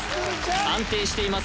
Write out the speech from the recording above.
安定しています